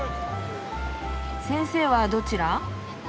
先生はどちら？